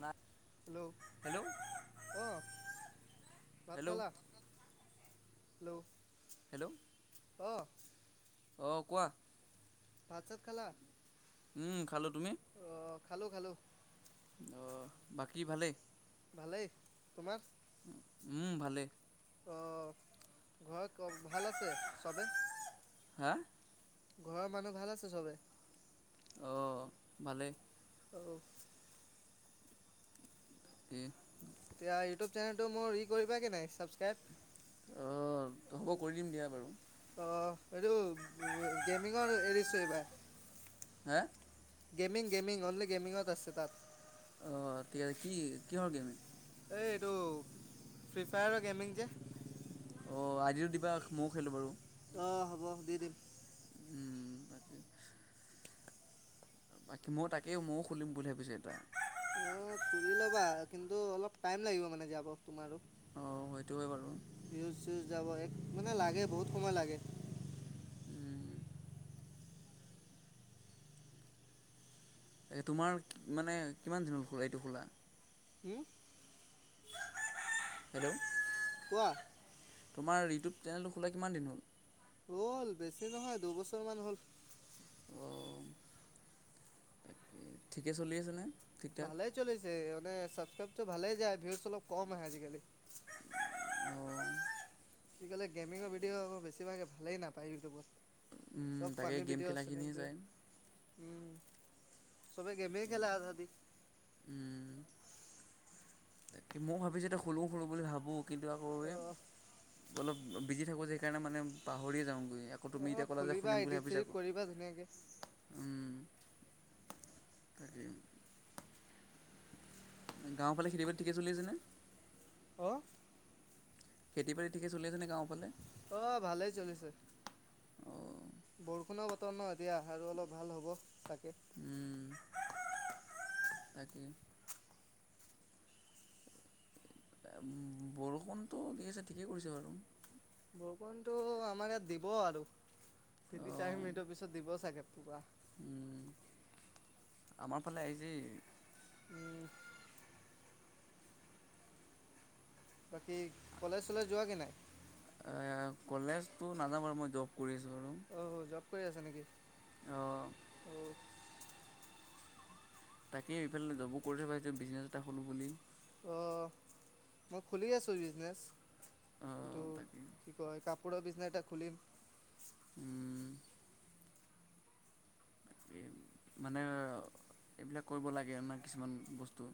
ন hello অ ভাত hello খালা হেল্ল' হেল্ল' অঁ অঁ কোৱা ভাত সাত খোলা উম খালো তুমি খালো খালো আহ বাকী ভালেই ভালেই তোমাৰ উম ভালে অঁ ঘৰত ভাল আছে চবে হা ঘৰৰ মানুহ ভাল আছে চবে অঁ ভালেই [inaudible] [unintelligible] এতিয়া ইউটিউব চেনেলটো মোৰ ই কৰিবে নাই ছাবস্ক্ৰাইব অ হ'ব কৰি দিম দিয়া বাৰু অ এইটো গেমিঙৰ এৰিছোঁ এইবাৰ হা গেমিং গেমিং অনলি গেমিংত আছে তাত আহ ঠিক আছে কি কিহৰ গেমিং এই এইটো ফ্ৰী ফায়াৰৰ গেমিং যে অ আই দি টো দিবা ময়ও খেলো বাৰু অ হ'ব দি দিম উম তাকে বাকী মই তাকেই ময়ো খুলিম বুলি ভাবিছো এতিয়া অ খুলি ল'বা কিন্তু অলপ টাইম লাগিব মানে যাব তোমাৰো অঁ সেইটোৱে বাৰু ভিউজ যাব এক মানে লাগে বহুত সময় লাগে উম তোমাৰ মানে কিমান দিনত খোলা এইটো খোলা হম হেল্ল' কোৱা তোমাৰ এইটো চেনেলটো খোলা কিমান দিন হ'ল হ'ল বেছি নহয় দুবছৰ মান হ'ল অ তাকে ঠিকে চলি আছেনে ঠিক ঠাক ভালে চলেছে মানে ছাবস্ক্ৰাইব ভালেই যায় ভিউচটো অলপ কম আহে আজিকালি অঁ কি ক'লে গমিৰ ভিডিঅ' বেছিভাগ ভালেই নাপায় ইউটিউবত উম চব তাকে গেম খেলাখিনি যায়। উম। চবে গেমে খেলে আজাদি। উম, তাকে মইয়ো ভাবিছোঁ এতিয়া খোলো খোলো বুলি ভাবো। কিন্তু আকৌ অঁ অলপ বিজি থাকো যে সেইকাৰণে মানে পাহৰিয়ে যাওঁ। আকৌ তুমি অঁ এতিয়া কলা যে খুলিবা খুলিম বুলি এডিট ভাবিছা চেডিট কৰিবা ধুনীয়াকৈ উম। [unintelligible] গাঁৱৰ ফালে খেতি বাতি থিকে চলি আছেনে? অ খেতি বাতি ঠিকে চলি আছেনে গাঁওফালে? অ ভালেই চলিছে। অঁ বৰষুণৰ বতৰ ন এতিয়া আৰু অলপ ভাল হ'ব তাকে উম, [unintelligible] তাকে। বৰষুণটো দি আছে ঠিকেই কৰিছে বাৰু। বৰষুণতটো আমাৰ ইয়াত দিব আৰু তিনি অঁ চাৰি মিনিটৰ পিছত দিব চাগে পোৰা। আমাৰ ফালে আহিছেই। উম। বাকী কলেজ চলেজ যোৱা কি নাই? এ কলেজটো নাযাম আৰু মই জব কৰি আছো বাৰু। অ' জব কৰি আছে নেকি? উ। তাকেই ইফালে জবো কৰি ঠাকো বিজনেছ এটা খোলো বুলি। অ মই খুলি আছোঁ বিজনেছ। এইটো তাকে কি কয় কাপ কুকুৰো বিজনেছ এটা খুলিম। উম। এই মানে এইবিলাক কৰিব লাগে মানে কিছুমান বস্তু।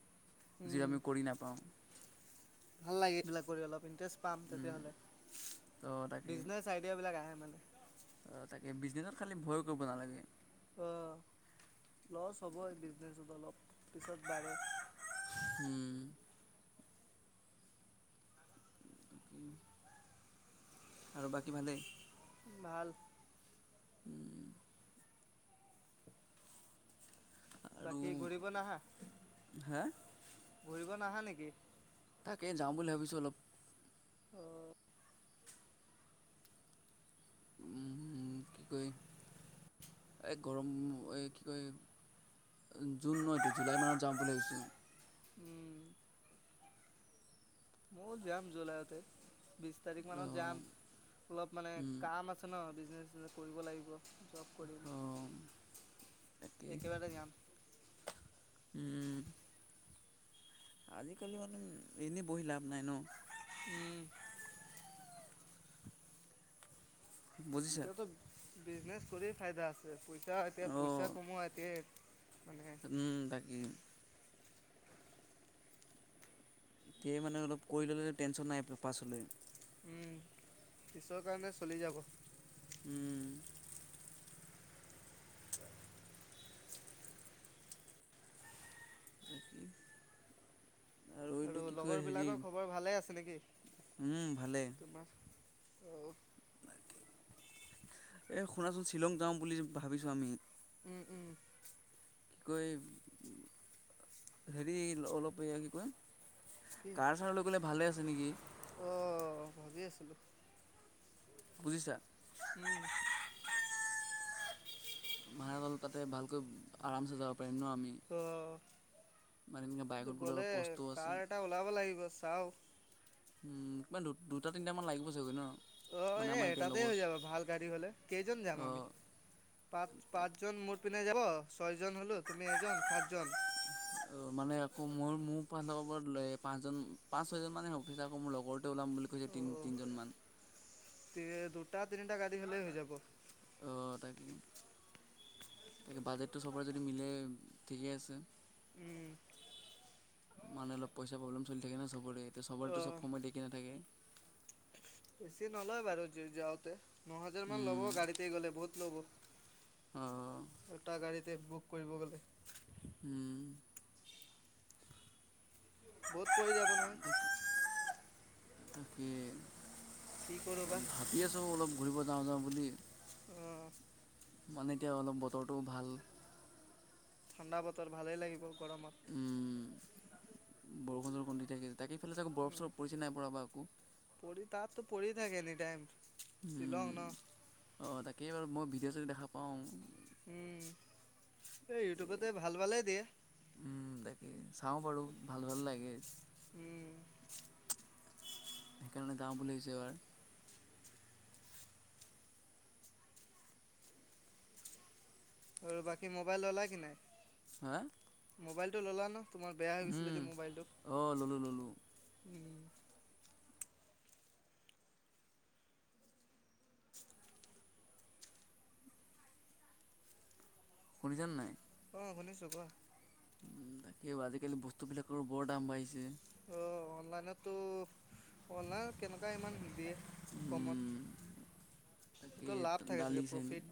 যি উম, আমি কৰি নাপাওঁ। ভাল লাগে এইেবিলাক কৰি অলপ ইন্টাৰেষ্ট পাম তেতিয়াহ'লে তো বিজনেচ আইডিয়া বিলাক আহে মানে। অ তাকে বিজনেছত খালি ভয় কৰিব নালাগে। অ লছ হ'ব বিজনেচত অলপ পিছত বাঢ়ে। তাকেই আৰু বাকী ভালেই? ভাল। উম। আৰু বাকী ঘূৰিব নাহা? হা ঘূৰিব নাহা নেকি? তাকে যাওঁ বুলি ভাবিছোঁ অলপ। অহ ', কি কয় এই গৰম এই কি কয় জুন নতো জুলাই মানত যাাম বুলি ভাবিছোঁ। উম', ম যাম জুলাই তে বিষ তাৰিখ অ মানত যাম অলপ মানে উম, কাম আছে ন। বিনেনে কৰিব লাগিব চব অ', তাকেই একে বটা যান উম ', আজিকালি মানে এনেই বহি লাভ নাই ন। উম', বুজিছা এতিয়াতো বিজনেছ কৰি ফাইদা আছে। পইচা এতিয়া অ পইচা কমোৱা এতি মানে। উম তাকেই এতিয় মানে অলপ কৰি ল'লে টেনশ্যন নাই পাছলৈ। পিছৰ কাৰণে চলি যাব। হম', আৰু কি এইটো আৰু কয় লগৰ হেৰি বিলাকৰ খবৰ ভালে আছে নেকি? উম', ভালে। অহ ', এ শুনাচোন শ্বিলং যাওঁ বুলি ভাবিছো আমি। উম উম কি কয় হেৰি অলপ এই কি কয়? কাৰ চানলৈ গ'লে ভালে আছে। যেনেকি অহ ', ভাবি আছিলো। বুজিছা। উম', ভাৰাঘৰ তাতে ভালকৈ আৰাম চে যাব পাৰিম। প্ৰেমণ আমি। মানে এনেকৈ ন্তু বাইকত গ'লে অলপ কষ্টও আছে কাৰ এটা ওলাব লাগিব। ছাও। উম ', কিবা দুটা তিনটা মান লাগিব চগৈ ন? অহ মানে ', এ আমাৰ এতিয়া এটাতে লগৰ হৈ যাব ভাল গাড়ী হলে কেইজন যাম আমি অ' পাঁচ- তাক পাঁচজন মুঠ। পিনে যাব। ছয়জন হলো তুমি এজন সাতজন। পৰ লয় পাঁচজন পাঁচ ছয়জন মানহে অফিচ আাকৌ মোৰ লগৰ। ওলাম বুলি কৈছে তিনি তিনিজন মান। তে দুটা তিনিটা গাড়ী হ'লে হৈ যাব। অ' তাকে -তাকে বাজেটটো চবৰে যদি মিলে ঠিকেই আছে। উম, মানে অলপ পইচা প্ৰব্লেম। চলি থাকে না সবৰে এতিয়া সবৰেটো চব অহ। সময় ল কি নাথাকে। বেছি নলয় বাৰু যাওঁতে। ন হাজাৰ মান লব উম, গাড়ীতে গ'লে বহুত। ল'ব। অ' এটা গাড়ীতে বুক। কৰিব গ'লে। উম, বহুত পৰি যাব নহয়। তাকে। কি কৰোঁ বা। ভাবি আছো অলপ ঘূৰিব যাওঁ যাওঁ বুলি। অ' মানে এতিয়া অলপ বতৰটো ভাল। ঠাণ্ডা বতৰ ভালেই লাগিব। উম। গৰমত। বৰষুণ চৰষুণ দি থাকে। তাকিফালে চাগে বৰফ চৰফ পৰিছে নাই পৰা বা আকৌ। ডেম শ্বিলংং ন' কেইবাৰ মই ভিডিঅ' যোগ দেখা পাওঁ। উম, এই ইউটিউবতে ভাল -ভালে দিয়ে তাকে চাওঁ বাৰু ভাল ভাল লাগে। উম। সেইকাৰণে গাওঁ বুলি [unintelligible] আৰু বাকী মোবাইল ললা কি নাই। হা। মোবাইলটো ল'লা ন' তোমাৰ বেয়া ভাবিছিলে যে মোবাইলটো অঁ ল'লোঁ ল'লোঁ উম। শুনিছানে নাই অ 'শুনিছোঁ কোৱা উ তাকে আজিকালি বস্তুবিলাকৰো বৰ দাম বাঢ়িছে। অ' অনলাইনতো অনলাইন কেনেকুৱা ইমান দিয়ে কমত তাকে লাভ থাকে চাগে দালি চেনি প্ৰফিট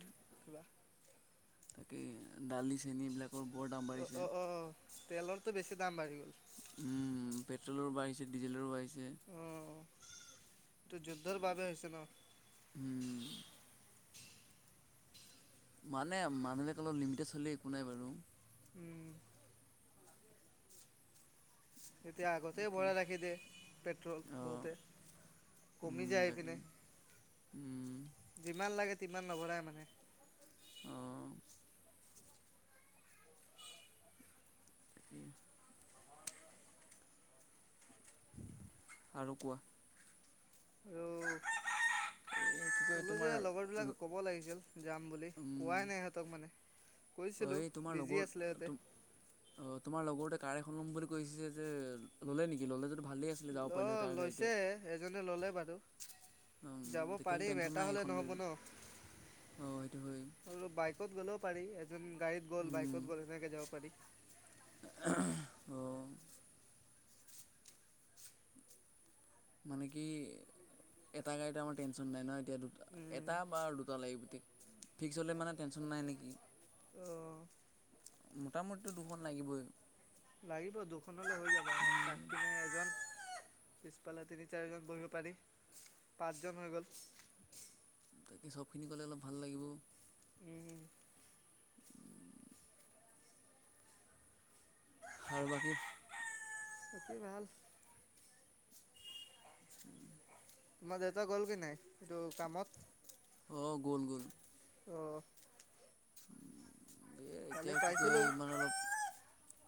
কিবা। তাকে দালি চেন বিলাক উ অ -অ তেলৰতটো বেছি দাম বাঢ়ি গ'ল উম পেট্ৰলৰো বাঢ়িছে ডিজেলৰো বাঢ়িছে। যে। টো যুদ্ধৰ বাবে হৈছে ন। হম মানে মানুহলৈকে অলপ লিমিটে চললে একো নাই বাৰু। উম এতিয়া আগতেই বাকী ভৰাই ৰাখি দিয়ে পেট্ৰল অঁ বহুতে কমি যায় আহি পিনে। উম। যিমান লাগে তিমান নভৰাই মানে। অঁ তাকে। আৰু কোৱা। আৰু এই কি কয় কলো তোমাৰ যে লগৰবিলাকক ক'ব লাগিছিল। যাম বুলি কোৱাই নাই ইহঁতক মানে। অ কৈছিলোঁ এই তোমাৰ বিজি লগৰ আছিলে সিহঁতে অ তোমাৰ লগৰতে কাৰ এখন ল'ম বুলি কৈছে যে ললে নেকি ললে যদি। ভালেই আছিলে যাব অ পাৰিলোঁ হয় তাৰ গাড়ীতে লৈছে এজনে ললে বাৰু উম যাব তেতিয়াহ'লে পাৰিম টেনশ্যন এটা নাই হলে এইখন নহ'ব গাড়ীৰ ন। অঁ সেইটো হয় পাৰি যোন গাড়ীত গ'ল বাইকত গ'ল সেনেকে যাব পাৰি। অ'। মানে কি এটা গাড়ীত আমাৰ টেনচন নাই নহয়। এতিয়া দুটা উম, এটা বা দুটা লাগি গোটেই ফিক্স হ'লে মানে টেনশ্যন নাই নেকি ত' মোটামুতিটো দুখন লাগিবই। লাগিব দুখনলৈ হৈ যাব আাম চাহ পিনে এজন, পিছফালে তিনি চাৰিজন বহিব পাৰি পাঁচজন হৈ গল। তাকে চবখিনি গ'লে অলপ ভাল লাগিব। উম। আৰু বাকী। বাকী ভাল তোমাৰ দেউতা গ'ল কি নাই এইটো কামত অঁ গ'ল গ'ল। অঁ এতিয়া পাইছিলোঁ ইামান অলপ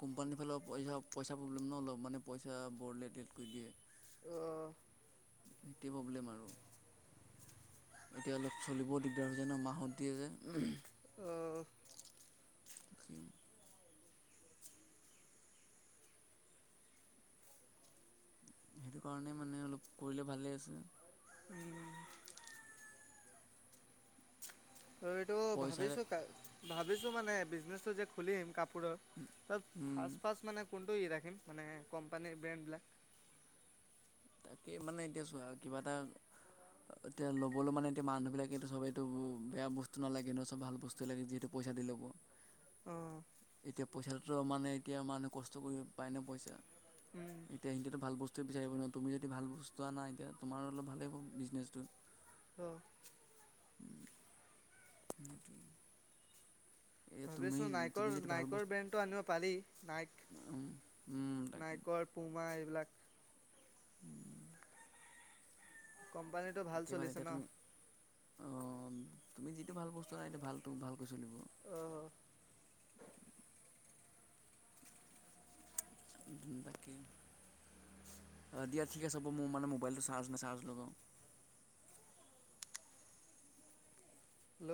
কোম্পানীৰ ফালে পইচা পইচা প্ৰব্লেম ন অলপ মানে পইচা বৰ লেট লেট কৰি দিয়ে। অহ। সেইটোৱ প্ৰব্লেম আৰু এতিয়া অলপ চলিবও দিগদাৰ হৈছে হৈছে ন মাহত দিয়ে যে। অহ। ৰাখিম সেইটো কাৰণে মানে অলপ কৰিলে ভালে আছে। উম ত এইটো পইচাৰে ভাবিছো ক ভাবিছো মানে বিজনেচটো যে খুলিম ক পৰা তাত ফাৰ্ষ্ট ফাৰ্ষ্ট মানে ফোনটো ই ৰাখিম মানে কোম্পানীৰ ব্ৰেণ্ডবিলাক। তাকেই মানে এতিয়া চোৱা কিবা এটা এতিয়া ল'বলৈ মানে এতিয়া মানুহ বিলাকেটো চবেইটো বেয়া বস্তু নালাগে ন চব ভাল বস্তু লাগে যিহেতু পইচা দি ল'ব। অঁ এতিয়া। পইচাটো মানে এতিয়া মানুহে কষ্ট কৰি পায় ন পইচা এতিয়া সিতো ভাল বস্তুৱে বিচাৰিব ন। তুমি যদি ভাল বস্তু আনা এতিয়া তোমাৰ অলপ ভালেই হ'ব বিজনেছটো। অঁ স [unintelligible] ভাবিছো নাইকৰ নাইকৰ বস্তু ব্ৰেণ্ডটো আনিব পাৰি। নাইক উম তাকে নাইকৰ পুমা এইবিলাক কোম্পানীটো ভাল চলিছে ন অ তুমি যিটো ভাল বস্তু আনিলা ভালতো ভালকৈ চলিব। অ। তাকে অ দিয়া ঠিক আছে হ'ব মোৰ মানে মোবাইলটো চাৰ্জ নাচাৰ্জ লগাওঁ হেল্ল'।